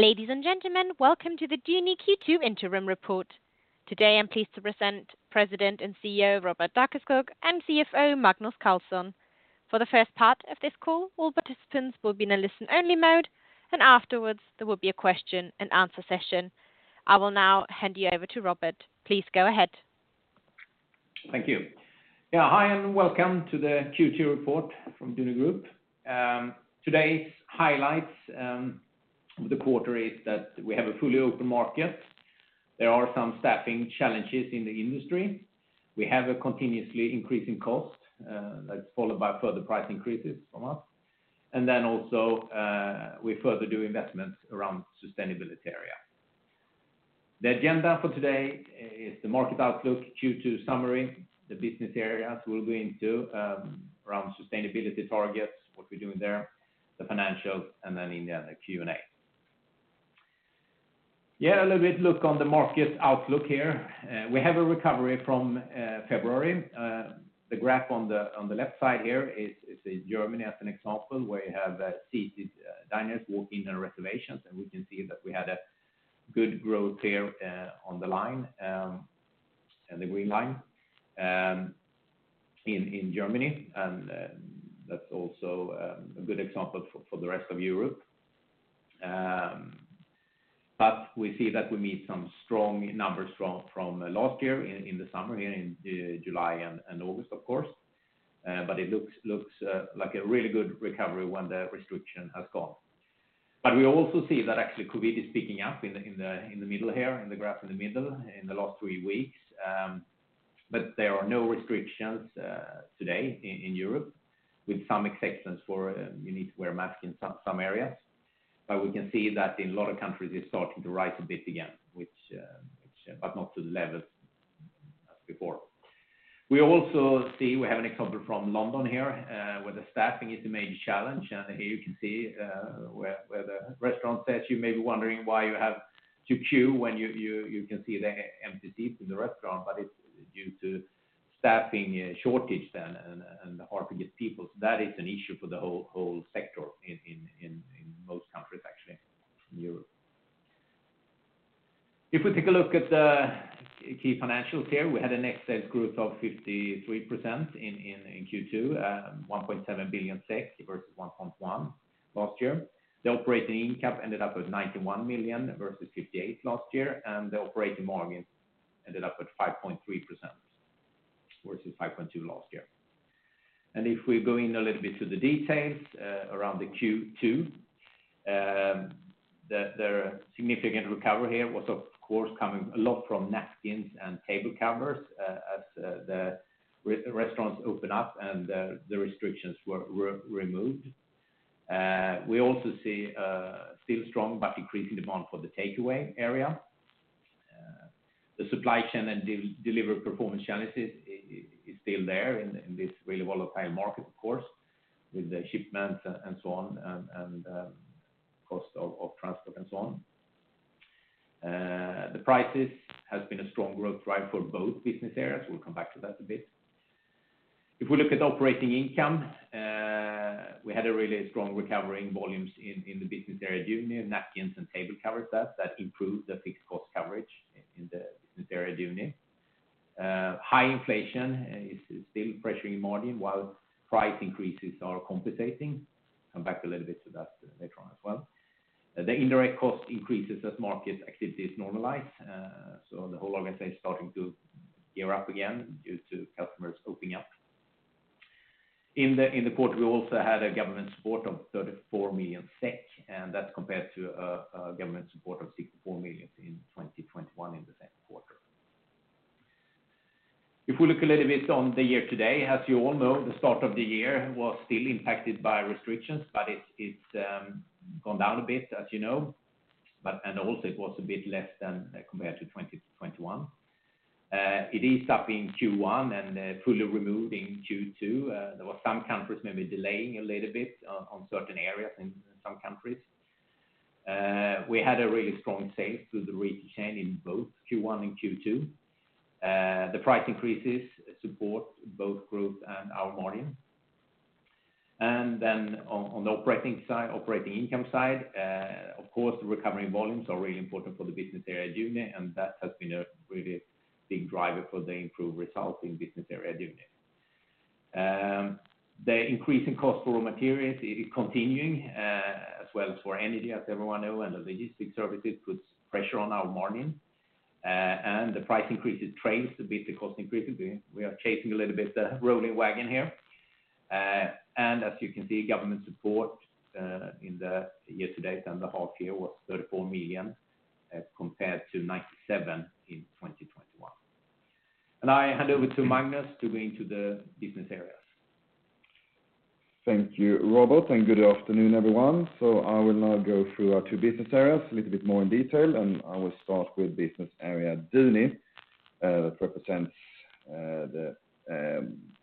Ladies and gentlemen, welcome to the Duni Q2 Interim Report. Today, I'm pleased to present President and CEO Robert Dackeskog and CFO Magnus Carlsson. For the first part of this call, all participants will be in a listen-only mode, and afterwards there will be a question and answer session. I will now hand you over to Robert. Please go ahead. Thank you. Yeah. Hi, and welcome to the Q2 report from Duni Group. Today's highlights of the quarter is that we have a fully open market. There are some staffing challenges in the industry. We have a continuously increasing cost that's followed by further price increases from us. We further do investments around sustainability area. The agenda for today is the market outlook Q2 summary. The business areas we'll go into around sustainability targets, what we're doing there, the financials, and then in the end, the Q&A. Yeah, a little bit look on the market outlook here. We have a recovery from February. The graph on the left side here is Germany as an example, where you have seated diners walk in and reservations, and we can see that we had a good growth there on the line, the green line, in Germany. That's also a good example for the rest of Europe. We see that we meet some strong numbers from last year in the summer, here in July and August, of course. It looks like a really good recovery when the restriction has gone. We also see that actually COVID is picking up in the middle here, in the graph in the middle, in the last three weeks. There are no restrictions today in Europe with some exceptions where you need to wear a mask in some areas. We can see that in a lot of countries it's starting to rise a bit again. But not to the levels as before. We also see we have an example from London here, where the staffing is the major challenge. Here you can see where the restaurant says you may be wondering why you have to queue when you can see the empty seats in the restaurant, but it's due to staffing shortage and hard to get people. That is an issue for the whole sector in most countries, actually, from Europe. If we take a look at the key financials here, we had a net sales growth of 53% in Q2, 1.7 billion SEK versus 1.1 billion last year. The operating income ended up with 91 million versus 58 million last year, and the operating margin ended up at 5.3% versus 5.2% last year. If we go in a little bit to the details, around the Q2, the significant recovery here was of course coming a lot from napkins and table covers, as the restaurants open up and the restrictions were removed. We also see still strong but increasing demand for the takeaway area. The supply chain and delivery performance challenges is still there in this really volatile market, of course, with the shipments and so on, and cost of transport and so on. The prices has been a strong growth driver for both business areas. We'll come back to that a bit. If we look at operating income, we had a really strong recovery in volumes in the business area Duni, napkins and table covers that improved the fixed cost coverage in the business area Duni. High inflation is still pressuring margin while price increases are compensating. Come back a little bit to that later on as well. The indirect cost increases as market activity is normalized. The whole organization is starting to gear up again due to customers opening up. In the quarter, we also had a government support of 34 million SEK, and that's compared to a government support of 64 million in 2021 in the second quarter. If we look a little bit on the year today, as you all know, the start of the year was still impacted by restrictions, but it's gone down a bit, as you know, but and also it was a bit less than compared to 2021. It is up in Q1 and fully removed in Q2. There were some countries maybe delaying a little bit on certain areas in some countries. We had a really strong sales through the retail chain in both Q1 and Q2. The price increases support both growth and our margin. On the operating side, operating income side, of course, the recovery volumes are really important for the business area Duni, and that has been a really big driver for the improved results in business area Duni. The increase in cost for raw materials is continuing, as well as for energy, as everyone know, and the logistics services puts pressure on our margin. The price increases tried to beat the cost increases. We are chasing a little bit the rolling wagon here. As you can see, government support in the year-to-date and the half-year was 34 million as compared to 97 million in 2021. I hand over to Magnus to go into the business areas. Thank you, Robert, and good afternoon, everyone. I will now go through our two business areas a little bit more in detail, and I will start with business area Duni, that represents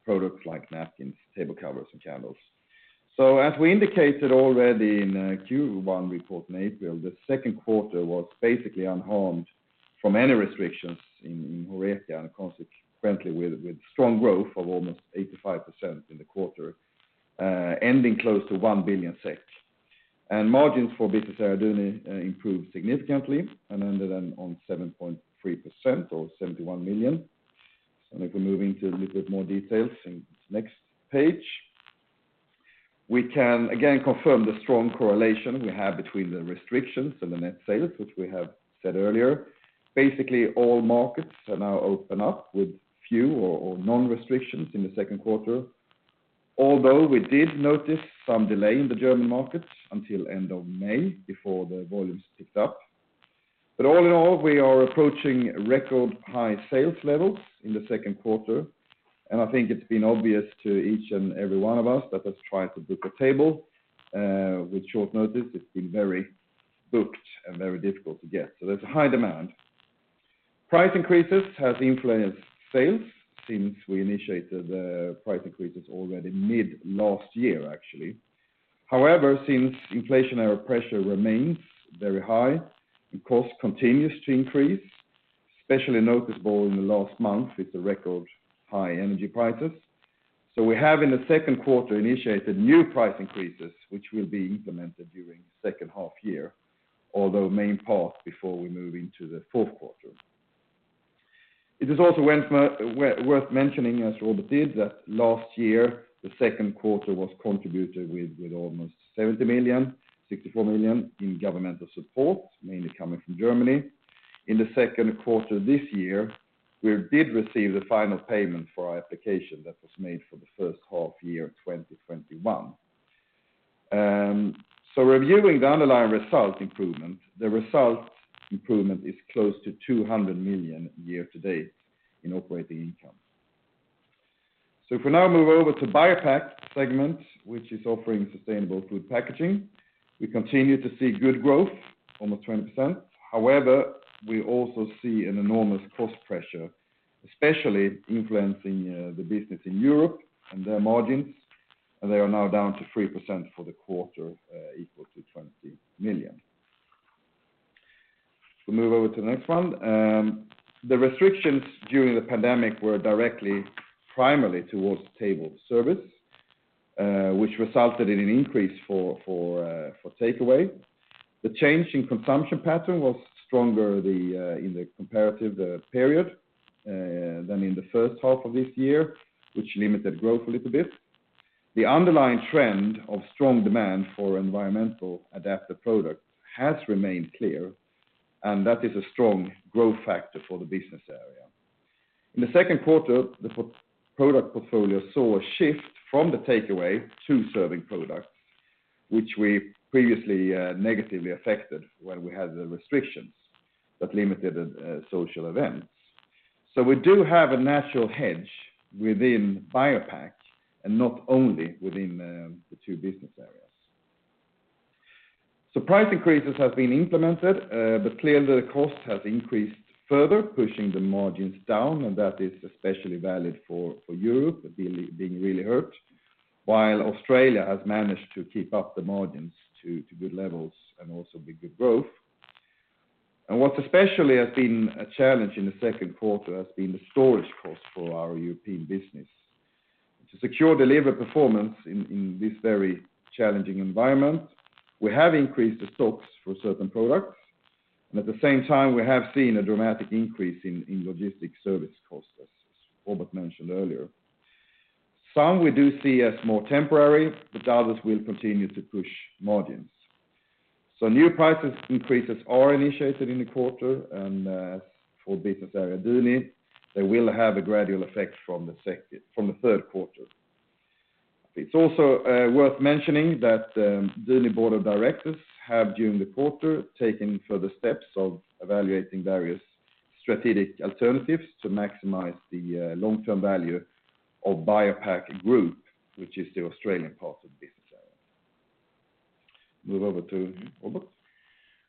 products like napkins, table covers and candles. As we indicated already in Q1 report in April, the second quarter was basically unharmed. from any restrictions in HoReCa and consequently with strong growth of almost 85% in the quarter, ending close to 1 billion SEK. Margins for Business Area Duni improved significantly and ended on 7.3% or 71 million. If we move into a little bit more details in this next page, we can again confirm the strong correlation we have between the restrictions and the net sales, which we have said earlier. Basically, all markets are now opened up with few or no restrictions in the second quarter. Although we did notice some delay in the German market until end of May before the volumes picked up. All in all, we are approaching record high sales levels in the second quarter, and I think it's been obvious to each and every one of us that has tried to book a table with short notice, it's been very booked and very difficult to get. There's a high demand. Price increases has influenced sales since we initiated the price increases already mid last year, actually. However, since inflationary pressure remains very high, the cost continues to increase, especially noticeable in the last month with the record high energy prices. We have in the second quarter initiated new price increases, which will be implemented during second half year, although main part before we move into the fourth quarter. It is also worth mentioning, as Robert did, that last year, the second quarter was contributed with almost 70 million, 64 million in governmental support, mainly coming from Germany. In the second quarter this year, we did receive the final payment for our application that was made for the first half year of 2021. Reviewing the underlying result improvement, the result improvement is close to 200 million year to date in operating income. If we now move over to BioPak segment, which is offering sustainable food packaging. We continue to see good growth, almost 20%. However, we also see an enormous cost pressure, especially influencing the business in Europe and their margins, and they are now down to 3% for the quarter, equal to 20 million. If we move over to the next one. The restrictions during the pandemic were directed primarily towards table service, which resulted in an increase in takeaway. The change in consumption pattern was stronger in the comparative period than in the first half of this year, which limited growth a little bit. The underlying trend of strong demand for environmentally adapted products has remained clear, and that is a strong growth factor for the business area. In the second quarter, the product portfolio saw a shift from the takeaway to serving products, which previously negatively affected when we had the restrictions that limited social events. We do have a natural hedge within BioPak, and not only within the two business areas. Price increases have been implemented, but clearly the cost has increased further, pushing the margins down, and that is especially valid for Europe, really being hurt, while Australia has managed to keep up the margins to good levels and also with good growth. What especially has been a challenge in the second quarter has been the storage costs for our European business. To secure delivery performance in this very challenging environment, we have increased the stocks for certain products, and at the same time, we have seen a dramatic increase in logistics service costs, as Robert mentioned earlier. Some we do see as more temporary, but others will continue to push margins. New price increases are initiated in the quarter and, as for Business Area Duni, they will have a gradual effect from the third quarter. It's also worth mentioning that Duni Board of Directors have during the quarter taken further steps of evaluating various strategic alternatives to maximize the long-term value of BioPak Group, which is the Australian part of the business area. Move over to Robert.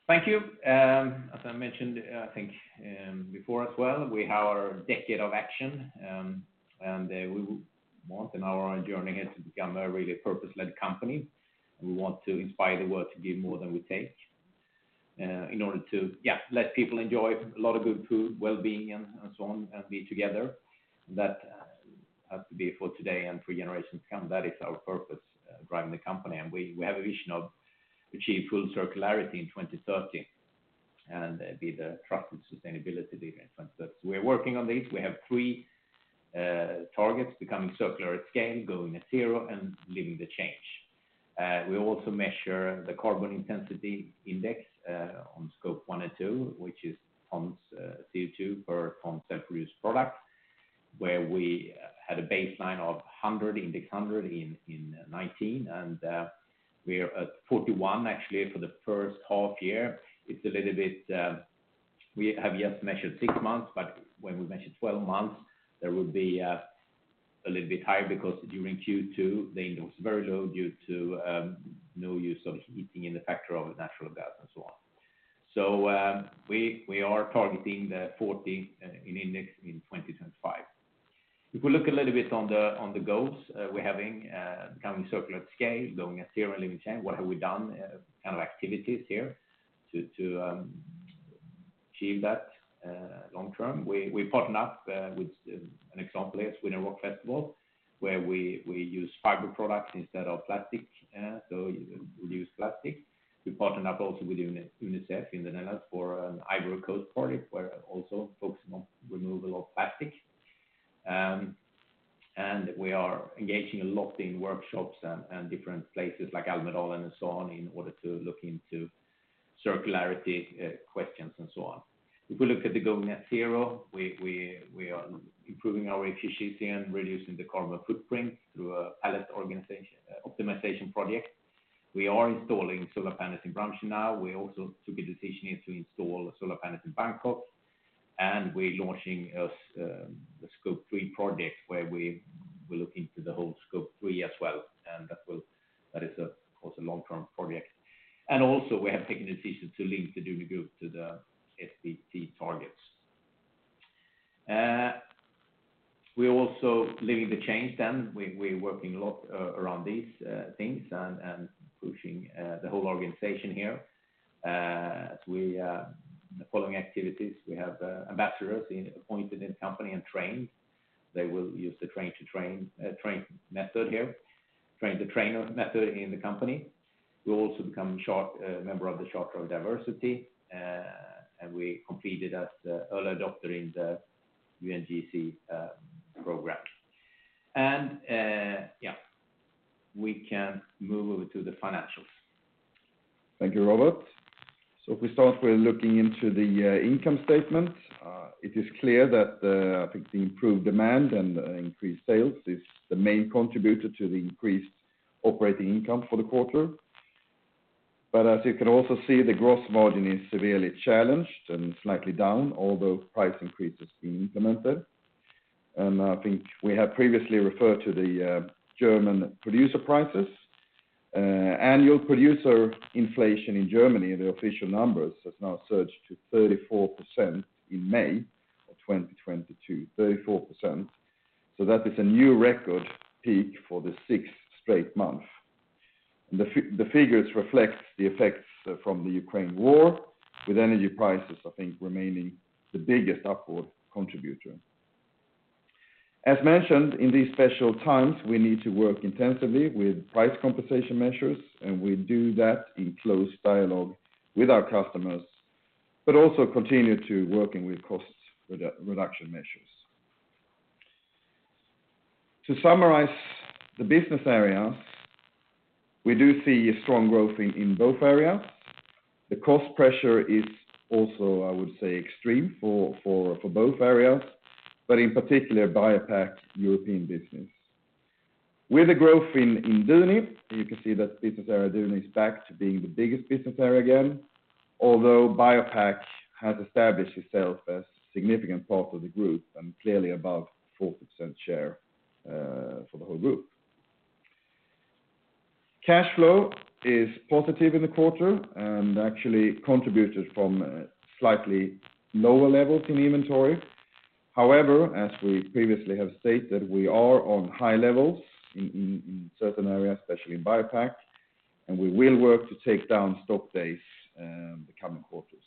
Thank you. As I mentioned, I think, before as well, we have our decade of action, and we want in our own journey here to become a really purpose-led company. We want to inspire the world to give more than we take, in order to, yeah, let people enjoy a lot of good food, wellbeing, and so on, and be together. That has to be for today and for generations to come. That is our purpose, driving the company. We have a vision of achieve full circularity in 2030 and be the trusted sustainability leader. We're working on this. We have three targets, becoming circular at scale, going at zero, and living the change. We also measure the carbon intensity index on Scope 1 and 2, which is tons CO2 per ton sold produced product, where we had a baseline of 100, index 100 in 2019. We are at 41 actually for the first half year. It's a little bit, we have yet measured six months, but when we measure 12 months, there will be a little bit higher because during Q2, the index was very low due to no use of heating in the factory of natural gas and so on. We are targeting the 40 in index in 2025. If we look a little bit on the goals, we're having becoming circular at scale, going at zero value chain, what have we done kind of activities here to achieve that long term? We partnered up with an example is Wacken Rock Festival, where we use fiber products instead of plastic so reduce plastic. We partnered up also with UNICEF in the Netherlands for an Ivory Coast project where also focusing on removal of plastic. We are engaging a lot in workshops and different places like Almedalen and so on in order to look into circularity questions and so on. If we look at the going net zero, we are improving our efficiency and reducing the carbon footprint through a pallet organization optimization project. We are installing solar panels in Bramsche now. We also took a decision here to install solar panels in Bangkok, and we're launching a scope three project where we will look into the whole Scope 3 as well, and that will, that is, also long-term project. We have taken a decision to link the Duni Group to the SBT targets. We're also living the change then. We're working a lot around these things and pushing the whole organization here. As we the following activities, we have ambassadors appointed in company and trained. They will use the train the trainer method in the company, will also become member of the Diversity Charter, and we committed as the early adopter in the UNGC program. We can move to the financials. Thank you, Robert. If we start with looking into the income statement, it is clear that I think the improved demand and increased sales is the main contributor to the increased operating income for the quarter. As you can also see, the gross margin is severely challenged and slightly down, although price increases being implemented. I think we have previously referred to the German producer prices. Annual producer inflation in Germany, the official numbers, has now surged to 34% in May of 2022, so that is a new record peak for the sixth straight month. The figures reflect the effects from the Ukraine war with energy prices, I think, remaining the biggest upward contributor. As mentioned, in these special times, we need to work intensively with price compensation measures, and we do that in close dialogue with our customers, but also continue to working with costs reduction measures. To summarize the business area, we do see strong growth in both areas. The cost pressure is also, I would say, extreme for both areas, but in particular BioPak European business. With the growth in Duni, you can see that business area Duni is back to being the biggest business area again, although BioPak has established itself as significant part of the group and clearly above 4% share for the whole group. Cash flow is positive in the quarter and actually contributed from slightly lower levels in inventory. However, as we previously have stated, we are on high levels in certain areas, especially in BioPak, and we will work to take down stock days the coming quarters.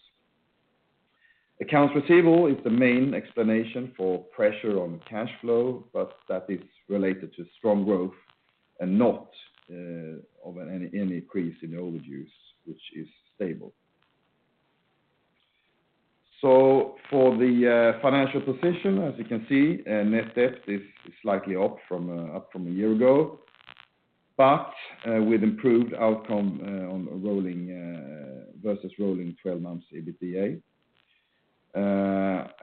Accounts receivable is the main explanation for pressure on cash flow, but that is related to strong growth and not of any increase in overdue, which is stable. For the financial position, as you can see, net debt is slightly up from a year ago, but with improved outcome on a rolling versus rolling twelve months EBITDA.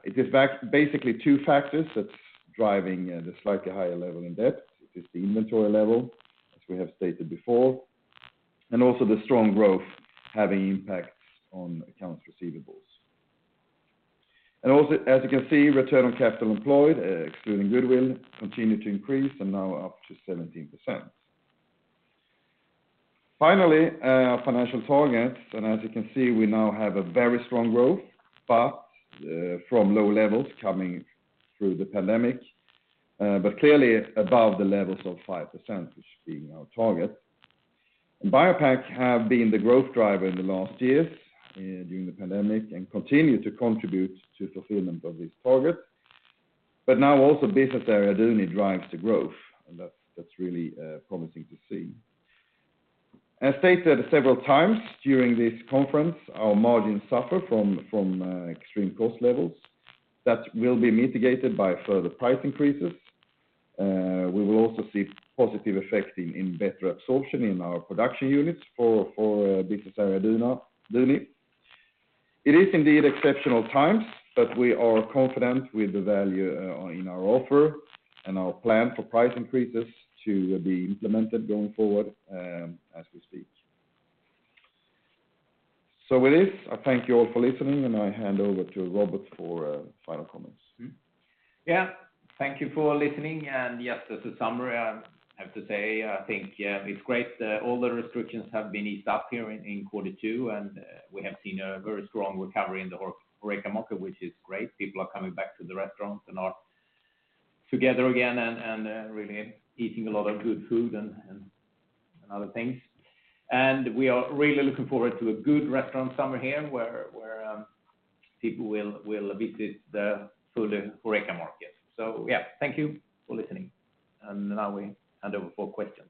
It is basically two factors that's driving the slightly higher level in debt. It is the inventory level, as we have stated before, and also the strong growth having impacts on accounts receivables. Also, as you can see, return on capital employed, excluding goodwill, continue to increase and now up to 17%. Finally, financial targets, as you can see, we now have a very strong growth, but from low levels coming through the pandemic, but clearly above the levels of 5%, which being our target. BioPak have been the growth driver in the last years, during the pandemic and continue to contribute to fulfillment of this target. Now also business area Duni drives the growth, and that's really promising to see. As stated several times during this conference, our margins suffer from extreme cost levels. That will be mitigated by further price increases. We will also see positive effect in better absorption in our production units for business area Duni. It is indeed exceptional times, but we are confident with the value in our offer and our plan for price increases to be implemented going forward, as we speak. With this, I thank you all for listening, and I hand over to Robert for final comments. Yeah. Thank you for listening. Yes, as a summary, I have to say, I think, yeah, it's great that all the restrictions have been eased up here in quarter two, and we have seen a very strong recovery in the HoReCa market, which is great. People are coming back to the restaurants and are together again and really eating a lot of good food and other things. We are really looking forward to a good restaurant summer here where people will visit the food and HoReCa market. Yeah, thank you for listening. Now we hand over for questions.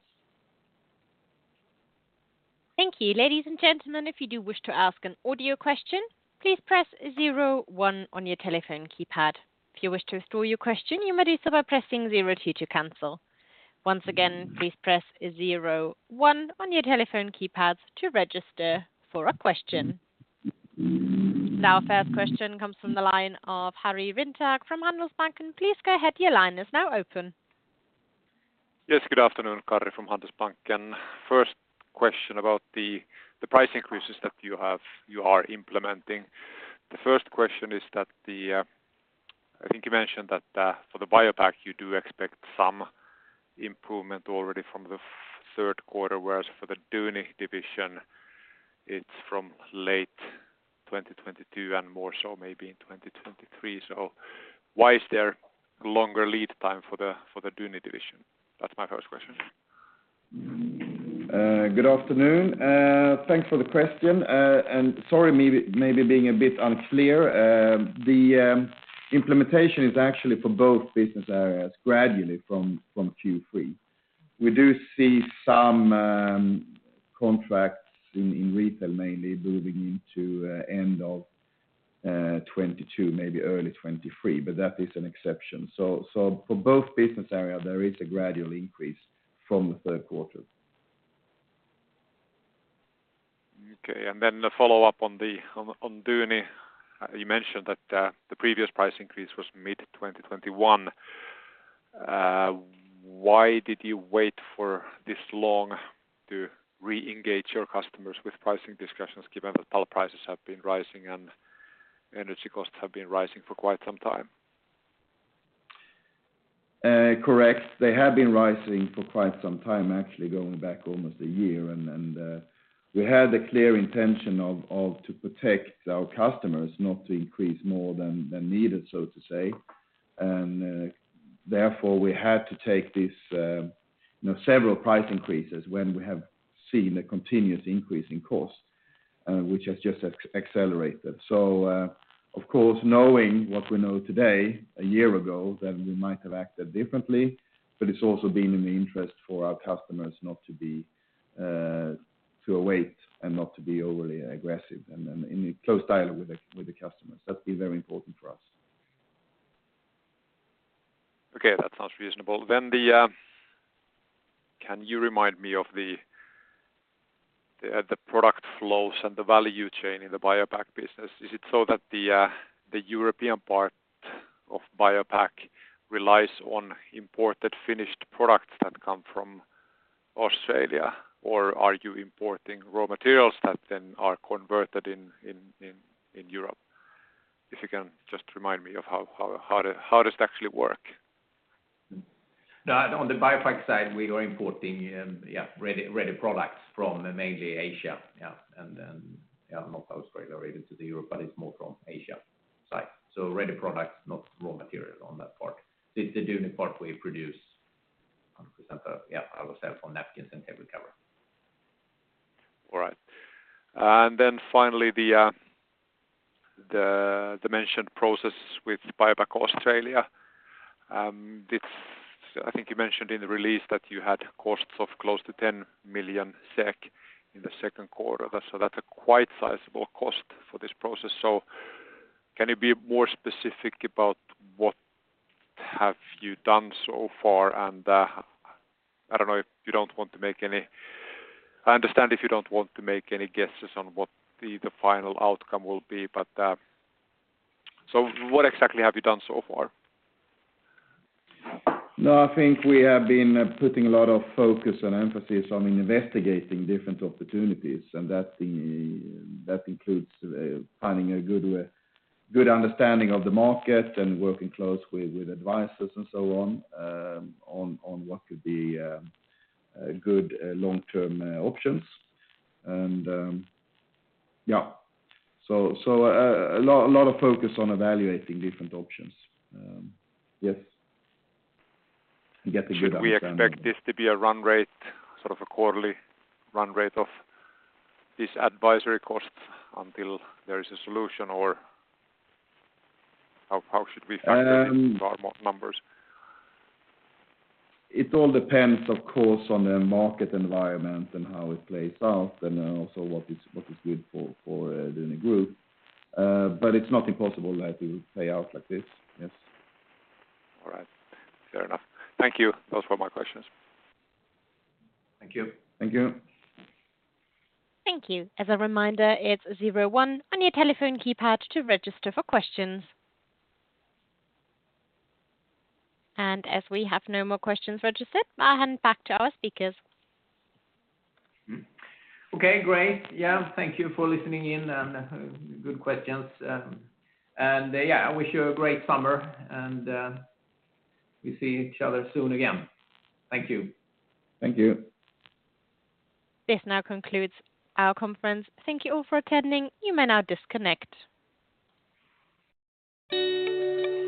Thank you. Ladies and gentlemen, if you do wish to ask an audio question, please press zero one on your telephone keypad. If you wish to withdraw your question, you may do so by pressing zero two to cancel. Once again, please press zero one on your telephone keypads to register for a question. Our first question comes from the line of Harry Winter from Handelsbanken. Please go ahead. Your line is now open. Yes, good afternoon. Harry Winter from Handelsbanken. First question about the price increases that you are implementing. I think you mentioned that for the BioPak, you do expect some improvement already from the third quarter, whereas for the Duni division, it's from late 2022 and more so maybe in 2023. Why is there a longer lead time for the Duni division? That's my first question. Good afternoon. Thanks for the question. Sorry maybe being a bit unclear. The implementation is actually for both business areas gradually from Q3. We do see some contracts in retail mainly moving into end of 2022, maybe early 2023, but that is an exception. For both business area, there is a gradual increase from the third quarter. Okay. A follow-up on Duni. You mentioned that the previous price increase was mid-2021. Why did you wait for this long to reengage your customers with pricing discussions given that power prices have been rising and energy costs have been rising for quite some time? Correct. They have been rising for quite some time, actually going back almost a year. We had a clear intention to protect our customers not to increase more than needed, so to say. Therefore, we had to take this, you know, several price increases when we have seen a continuous increase in cost, which has just accelerated. Of course, knowing what we know today, a year ago, then we might have acted differently, but it's also been in the interest for our customers not to await and not to be overly aggressive and in a close dialogue with the customers. That's been very important for us. Okay, that sounds reasonable. Can you remind me of the product flows and the value chain in the BioPak business? Is it so that the European part of BioPak relies on imported finished products that come from Australia, or are you importing raw materials that then are converted in Europe? If you can just remind me of how does it actually work? No, on the BioPak side, we are importing ready products from mainly Asia. Not Australia related to the Europe, but it's more from Asia side. Ready products, not raw materials on that part. The Duni part we produce 100% ourselves on napkins and table cover. All right. Then finally, the integration process with BioPak Australia. I think you mentioned in the release that you had costs of close to 10 million SEK in the second quarter. That's a quite sizable cost for this process. Can you be more specific about what have you done so far? I don't know if you don't want to make any. I understand if you don't want to make any guesses on what the final outcome will be. But what exactly have you done so far? No, I think we have been putting a lot of focus and emphasis on investigating different opportunities, and that includes finding a good way, good understanding of the market and working close with advisors and so on what could be good long-term options. Yeah. A lot of focus on evaluating different options. Yes. I get a good understanding. Should we expect this to be a run rate, sort of a quarterly run rate of this advisory cost until there is a solution, or how should we factor this into our model numbers? It all depends, of course, on the market environment and how it plays out and also what is good for Duni Group. It's not impossible that it will play out like this. Yes. All right. Fair enough. Thank you. Those were my questions. Thank you. Thank you. Thank you. As a reminder, it's zero one on your telephone keypad to register for questions. As we have no more questions registered, I hand back to our speakers. Okay, great. Yeah, thank you for listening in and good questions. Yeah, I wish you a great summer. We see each other soon again. Thank you. Thank you. This now concludes our conference. Thank you all for attending. You may now disconnect.